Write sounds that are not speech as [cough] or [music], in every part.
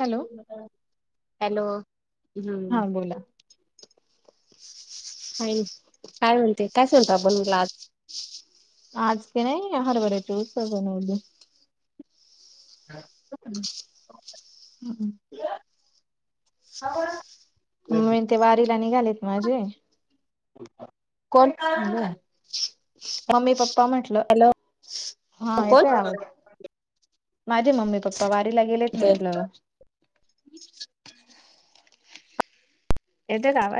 Hello hello. हम्म हा बोला. का नाय. काय म्हणते काय स्वयंपाक बनवला आज? आज क नाय हरभऱ्याची उसळ बनवली. [inaudible] हम्म. [unintelligible] मम्मीन ते वारीला निघालेत माझे. कोण? हॅलो मम्मी पप्पा म्हटलं. हा येतय कोण? आवाज? माझे मम्मी पप्पा वारीला गेलेत म्हटलं. येते का आवाज?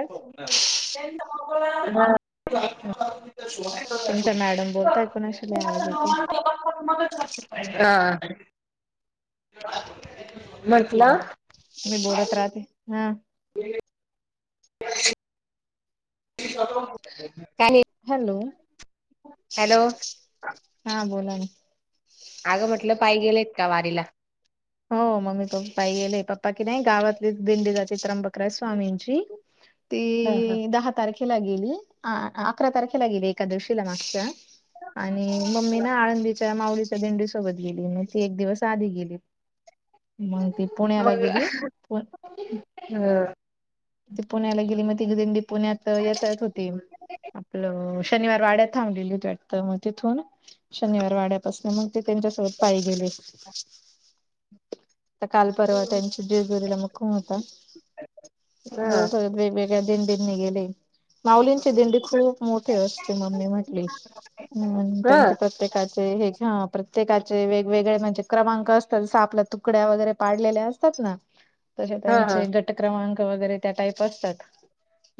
[unintelligible] [unintelligible] तुमच्या मॅडम बोलताय कोणाशी लय आवाज येतोय. हा म्हटलं मी बोलत राहते. [unintelligible] [unintelligible] काही हॅलो. हॅलो. हा बोला ना. अगं म्हटलं पाय गेलेत का वारीला? हो मम्मी पप्पा पायी गेले पप्पा की नाय गावातलीच दिंडी जाते चित्रंबक स्वामींची. [inaudible] हा ती दहा तारखेला गेली अकरा तारखेला गेली एकादशीला मागच्या. आणि मम्मी ना आळंदीच्या मावलीच्या दिंडीसोबत गेली मग ती एक दिवस आधी गेली. मग ती पुण्याला गेली. [unintelligible] पु हा. ती पुण्याला गेली मग ती दिंडी पुण्यात येत यत होती. आपलं शनिवार वाड्यात थांबलेली होती वाटत मग तिथून शनिवार वाड्यापासन मग ते त्यांच्यासोबत पायी गेले. [inaudible] आता काल परर्वा त्यांची जेजुरीला मुक्काम होता. दोघ वेगवेगळ्या दिंडींनी गेले. माउलींची दिंडी खूप मोठे असते मम्मी म्हटली हम् हा त्यांचे प्रत्येकाचे हे प्रत्येकाचे वेगवेगळे म्हणजे क्रमांक असतात जस आपल तुकड्या वगैरे पाडलेल्या असतात ना. [inaudible] तसे हा त्यांचे गट क्रमांक वगैरे त्या टाईप असतात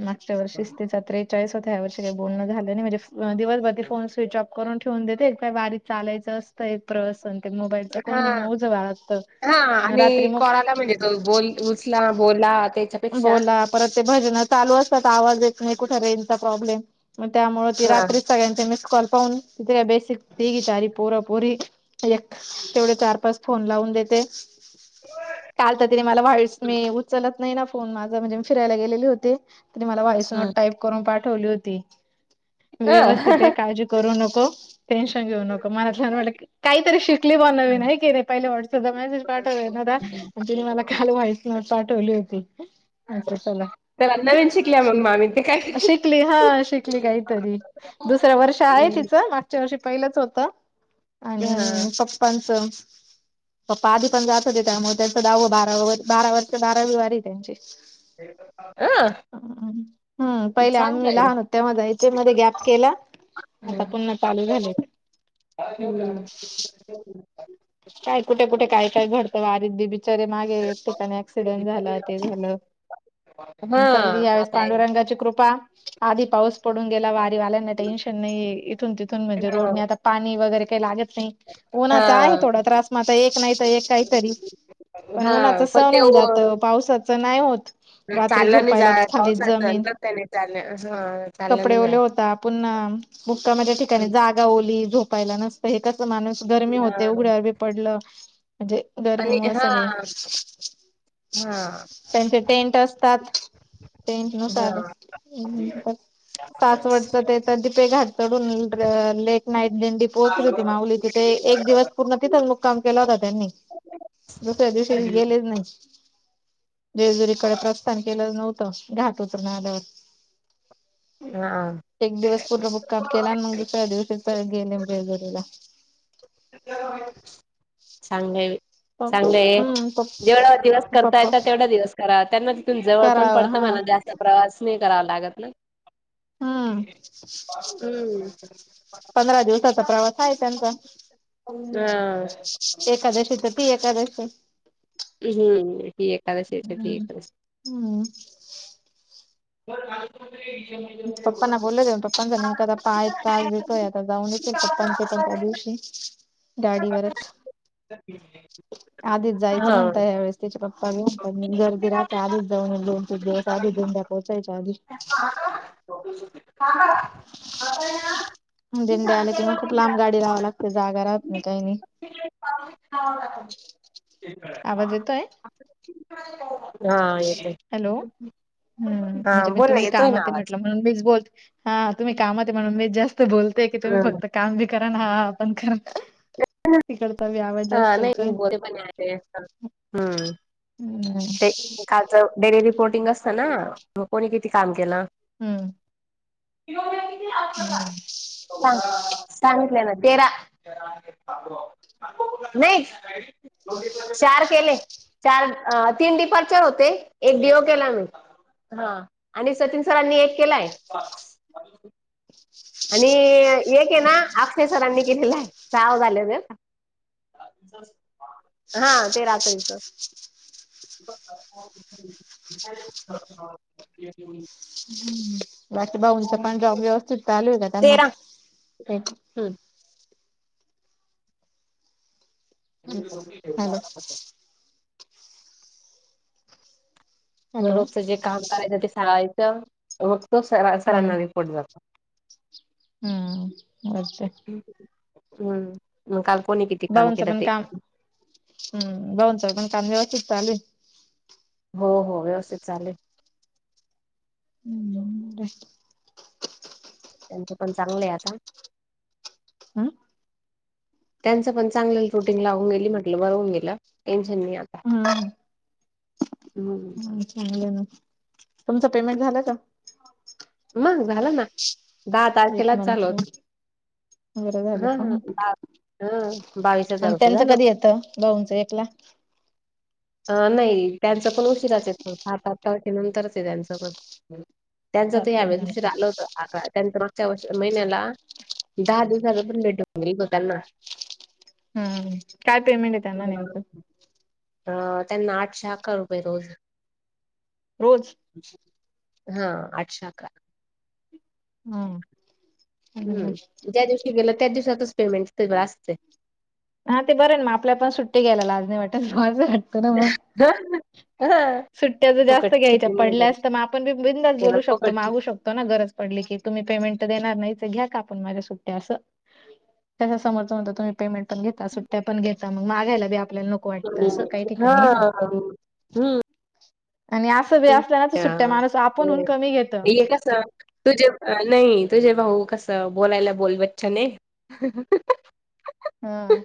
मागच्या वर्षीच ते जात्रे च्या वेळीस होते या वर्ष काय बोलण झालं नाय. म्हणजे दिवसभर ते फोन स्विच ऑफ करून ठेवून देते एक काय वारी चालायचं असतं प्रवासन ते मोबाईलच्या हा कोण ओझ वाळगत हा रात्री आणि मग कोणाला म्हणजे बोल उचला बोला त्याच्या बोला परत ते भजन चालू असतात आवाज येत नाय कुठे रेनचा प्रॉब्लेम म त्यामुळे ती हा रात्री सगळ्यांचे मिस कॉल पाहून तिथे का बेसिक ती सारी पोर पोरी एक तेवढे चार पाच फोन लावून देते. कालत तिने रे मला व्हाळच मे उचलत नाही ना फोन माझं म्हणजे मी फिरायला गेलेले होते तरी मला व्हॉइस नोट हा टाईप करून पाठवली होती हा व्यवस्थित काळजी करू नको टेनशन घेऊ नको मला छान वाटलं काहीतरी शिकली बुवा नवीन आहे की नाही पहिले व्हॉट्सअपला मेसेज पाठवलेला होता आणि तिने मला काल व्हाइट नॉट पाठवली होती मंत्र चला त्याला नवीन शिक शिकल्या मग मामी ते काय शिकली शिकली हा शिकली काहीतरी दुसरं वर्ष आहे तिचं मागच्या वर्षी पहिलंच होतं हा आणि पप्पांचं पप्पा आधी पण जात हो त्यामुळे त्यांचा दाव बारा बारा वर्ष बारावी वारी आहे त्यांची अं हम्म पहिले आम्ही लहान होते तेव्हा जायचे मध्ये गॅप केला आता पुन्हा चालू झाले काय जेवला काय कुठे, कुठे काय, काय घडतं वारीत बिरीत बिचारे मागे एक ठिकाणी ऍक्सिडेंट झाला ते झालं मी चालली हां यावेळेस आता पांडुरंगाची कृपा आधी पाऊस पडून गेला वारीवाल्यांना टेन्शन नाही इथून तिथून म्हणजे हां रोडने आता पाणी वगैरे काही लागत नाही उन्हाचा आहे हां. थोडा त्रास म आता एक नाही तर एक काहीतरी पण उन्हाचं हां पण सहन ते होऊन जात, ओ- पावसाचं नाही होतं चाललं नाही जाय पाऊसात मग तेनी चालले आसं ह चालले कपडे ओले होता पुन्हा मुक्कामाच्या ठिकाणी जागा ओली झोपायला नसते हे कसं माणूस गर्मीत पण ते हां उघड्यावर बी पडलं म्हणजे आणि गरमीमुळे हां सगळे हां त्यांचे टेंट असतात टेन्ट नुसार हां पाच वर्ष तेच आता दीपे घाट चढून लेट नाईट दिंडी पोहोचली होती माऊली तिथे एक दिवस पूर्ण तिथंच मुक्काम केला होता त्यांनी, दुसऱ्या दिवशी गेलेच नाही. जजुरीकडे प्रस्थान केलं नव्हतं घाट उतरून आल्यावर हां एक दिवस पूर्ण मुक्काम केला आणि मग दुसऱ्या दिवशीच परत गेले मी जेजुरीला चांगलं आहे बाई. चांगलंय हम्म जेवढा दिवस करता पप्पा येत, तेवढा दिवस करा त्यांना तिथून जवळ पण कराव पडतं हा म्हणा जास प्रवास नाही करावा लागत ना हा हम्म पंधरा दिवसाचा प्रवास आहे त्यांचा. हा एकादशी ते ती एकादशी हम्म ती एकादशीच्या ती हम्म एकादशी हम्म बर आज कोणतरी येवून पप्पांना बोललो, पप्पांचा नेमका आता पाय त्रास देतोय, आता जाऊन येेते पप्पांचे पण त्या दिवशी गाडीवरच आधीच जायचं हा म्हणता ह्यावेेळेस त्याचे पप्पा घेऊन गर्दी राहते, आधीच जाऊन दोन, तीन दिवस आधी दिंड्या पोहचायच्या आधी काका आता ना दींड्या आल्या कि म खूप लांब गाडी लावावी लागते जागा राहत नाही, काही नाही. तिकडे पावली चावावे लागते आवाज येतोय हा ए हॅलो [inaudible] हा बोल ना येतोय ना आवाज. म्हण मीच बोल हा तुम्ही कामात ये म्हणून मीच जास्त बोलते की तुम्ही हम्म फक्त काम बी करा ना हा हा पण करा. तिकडचा बी आवाज हा जास्त नाही येतोय. बोलते पण आहे. हम्म [inaudible] ते कालचं डेली रिपोर्टिंग असतं ना, मग कोणी किती काम केलं? हम्म [inaudible] [inaudible] सांग [inaudible] सांगितले ना तेरा [inaudible] नाही चार केले, चार अ तीन डिपार्चर होते एक डी ओ केला मी. हा आणि सचिन सरांनी एक केलाय. [inaudible] आणि एक हे ना अक्षय सरांनी केलेला ये सहा झाले ना. [unintelligible] हा ते रात्रीचं [inaudible] [inaudible] बाकी भाऊचा पण जॉब व्यवस्थित चालू आहे का? त्यांना तेरा एक हम्म ह हॅलो म हॅलो रोजचं जे काम करायचं ते सांगायचं रोजचं हम्म सरांना दे पड जरा पड हम्म बसते. हम्म मग काल कोणी किती काम भाऊंचं केलं पण ते काम हम्म भाऊचं पण काम व्यवस्थित चालू ये. हो हो व्यवस्थित चाललयं. [unintelligible] त्यांच, पण चांगलं ये आता हम्म त्यांच पण चांगल रुटींग लावून गेली, म्हटलं बरवून गेलं टेन्शन नाही आता हम्म हम्म चांगलं ये ना तुमच पेमेंट झालं का? मग झालं ना, दहा एक तारखेलाच झालं मंथ होतं. वगैरे झालं हा, का? ह, दहा ह, बावीस हजार रुपये झाल होत भाऊचा एकला अ नाही त्यांच पण उशिराच येत सात आठ तारखे नंतरच ये त्यांचं पण. त्यांच हम्म तर ह्यावेळेस उशीरा आलं होतं अक [inaudible] त्याचं [inaudible] महिन्याला दहा दिवसाच, पण भेटत नाही ग त्यांना हम् काय पेमेंट ये त्यांना नेमकं. अ त्यांना आठशे अकरा रुपये रोज- रोज हा, आठशे अकरा हम् हम् ज्या दिवशी गेलं त्या दिवसातच, पेमेंट सगळं असते. हा, ते बरे ना मग आपल्या पण सुट्टी घ्यायला लाज नाही वाटत वाट [inaudible] हो हा सुट्ट्या ज जास्त घ्यायच्या नाही पडल्या मिळाली असत, मग आपण बी बिनधास्त बोलू शकतो, फुकट मागू शकतो ना गरज पडली की तुम्ही पेमेंट तर देणार नाही, घ्या कापून माझ्या सुट्ट्या असं त्याच्या समर्थ म्हणतो तुम्ही पेमेंट पण घेता, सुट्ट्या पण घेता मग मागायला पण आपल्याला नको. नको वाटत, अस काही हम्म. हा ठिकाणी आहे ना‌ हम्म तुम्ही असल्याना तर सुट्ट्या माणूस आपणहून कमी घेत. कस तुझे नाही तुझे भाऊ, कस बोलायला, बोल बच्चनय. [inaudible] हम्म,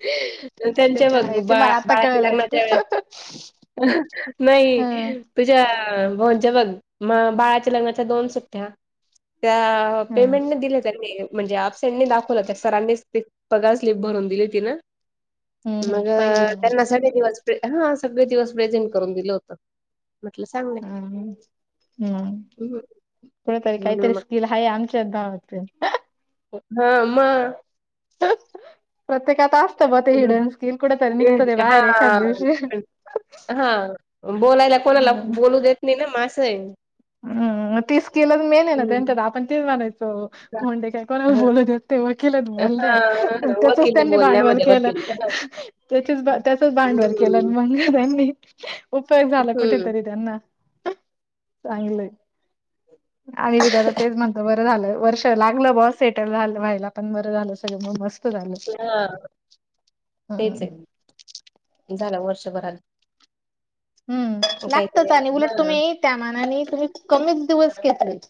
तेच्या हाय ते बा मला आता बाळाच्या कळाल. लग्नाच्या वेळेस नाही. तुझ्या भंज बघ म बाळाच्या लग्नाच्या दोन सुट्ट्या, त्या हं पेमेंट नाही, दिल त्यानी म्हणजे, अपसेंट नाही दाखवल तर सरांनीच पगार स्लीप भरून दिली, तीनं हं हं मग पहिली हं त्यांना साडे दिवस हां सगळे दिवस प्रेझेंट करून दिल होत. म्हटल हम हम्म पुढ तरी काहीतरी स्किल आहे. हाये आमच्याच भावाचय. हां, म प्रत्येकात असत बा ते हिडन स्किल कुठेतरी निघत ते बाहेर एखाद दिवशी. हां बोलायला कोणाला हम्म बोलू देत नाही, ना मग आसय. हम्म, मग ती स्किलच मेन आहे, ना त्यांच्यात आपण तेच म्हणायचो. कोंडे काय कोणाला बोलू देत नाही, ते वकिलय हा बोलण्यात त्याचच वकील त्यांनी भांडवल बोलण्यामध्ये केल. वकील त्याचीच त्याचच भांडवल केल, हम्म मग त्यांनी उपयोग झाला हम्म कुठेतरी त्यांना. चांगलय आम्ही बी आता तेच म्हणतो, बर झाल वर्ष लागल बस सेटल झाल व्हायला पण बर झाल, सगळ मस्त. झालं हा हम्म तेचयत झाल वर्षभरात हम्म लागतच, काहीतरी आणि उलट हा तुम्ही त्या मानानी तुम्ही कमीच दिवस घेतलेत.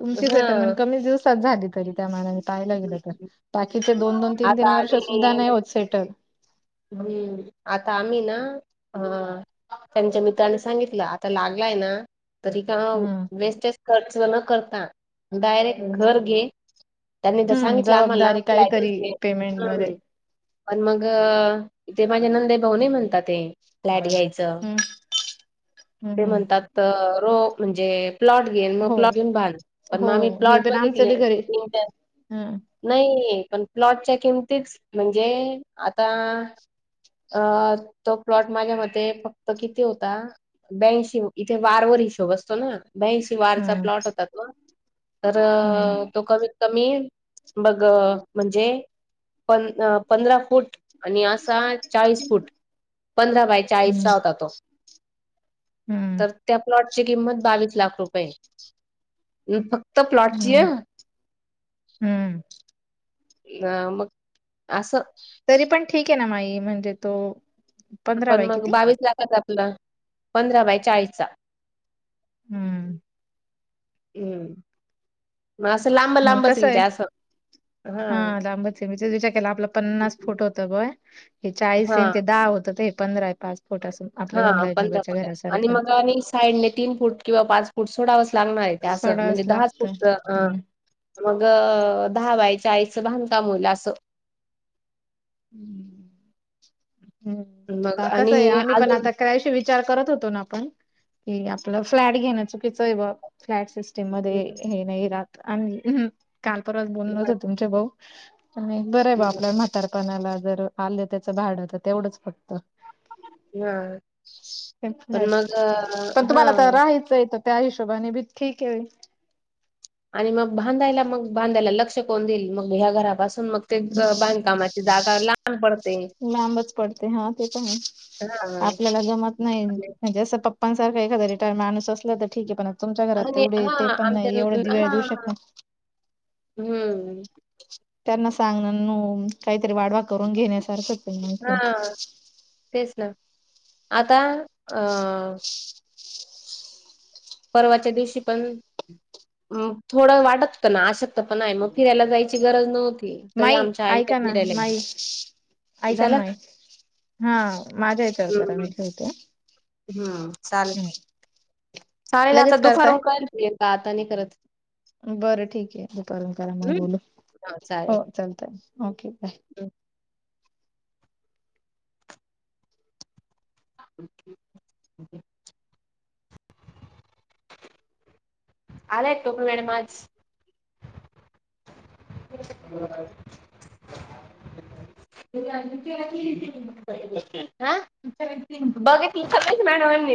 तुमची सेटलमेंट कमीच दिवसात झाली तरी. त्या मानाने पाहिला गेल तर बाकीचे दोन दोन तीन तीन आता वर्ष आम्ही सुद्धा नाही होत सेटल. हम्म आता आम्ही ना हा त्यांच्या मित्राने सांगितल आता लागलाय ना. तरी का हम्म. [unintelligible] बेस्ट खर्च न करता डायरेक्ट घर घे त्यांनी तर हम्म सांगितल आम्हाला. जबाबदारी फ्लॅटच काहीतरी पेमेंट मध्ये पण मग इथे माझ्या नंदे भाऊ नाही म्हणतात ते. फ्लॅट घ्यायच हम्म हम्म ते हम्म. म्हणतात, रो म्हणजे प्लॉट घे मग हो प्लॉट घेऊन बांध. पण हो मग आम्ही हे प्लॉट पण आमचं बघितले, बी घरी इंटर हम्म नाही पण प्लॉटच्या किमतीच म्हणजे, आता अ तो प्लॉट माझ्या मते फक्त किती होता बेशीं इथे वारवर हिशोब असतो ना. बेंशी वारचा हम्म प्लॉट होता तो तर हम्म. तो कमी कमी बघ म्हणजे प पंधरा फूट. आणि असा चाळीस फूट पंधरा बाय हम्म चाळीसचा होता तो. हम्म तर त्या प्लॉट ची किंमत बावीस लाख रुपये फक्त फक्त प्लॉटची हम्म ह हम्म अ मग अस तरी पण ठीक आहे ना माई म्हणजे तो पंधरा पण बाय मग किती बावीस लाखचा आपुला पंधरा बाय चाळीसचा. हम्म. हम्म मग असं लांब लांबच कसं आहे त्या हा. विचार केला आपला पन्नास फुट होत ब हे चाळीस येन हां, ते दहा होतं ते हे पंधरा. पासपोर्ट असून हा पंधरा फुट आणि मग आणि साईडने तीन फूट किंवा पाच फूट सोडा लागणार आहे ते असं म्हणजे सोडावंच दहाच लागतं फुट हम्म मग धवायच आईचं भांधका मुलं असं हम् मग आता कसं आणि आहे आम्ही पण अजून आता करायश वि च करत होतो आपण क आप फ्ल घे चकीच मध्ये हे नाही राहात आणि काल परवास बोल नत तुमचे भाऊ आणि बरं आहे बा आपल्या म्हातारपणाला जर आलं त्याचं भाडं तर तेवढंच फक्त हां. पण मग अ, पण तुम्हाला तर हां राहायचं आहे तर त्या हिशोबाने बी ठीक आहे. आणि मग बांधायला मग बांधायला लक्ष कोण देईल मग ह्या घरापासून मग ते बांधकामा जागा लहान पडत लांबच पडते हा ते पण हां आपल्याला मग नाही आणि म्हणजे असं पप्पांसारख एखादा रिटायर्ड माणू असलं तर ठीक आहे पण? तुमच्या घरात आणि तेवढे ते हां पण नाही आमच्या एवढे दिवेळ देऊ हां. शकणार. हम्म. त्यांना सांगणार न काहीतरी वाडवा करून घेण्यासारखं हां, तेच ना आता अ परवाच्या दिवशी पण थोडं वाटत प ना आशकत पण नाही मग फिरायला जायची गरज नव्हती. तरी माई आमच्या आईने ऐका ना फिरायला गेलो. माई ऐका ना झालं? माई हा माझ्या विचारत मी ठेवतो हम्म चाल. शाळेला आता लगेच करताय दुपारून कळल का आता नाही करत. बरं ठीक आहे दुपून करा मग हं. बोलू हो चाल ओके बाय ह. [inaudible] आलाय तोक वेळ माज [inaudible] आ बघितल नाही का मॅडम आम्ही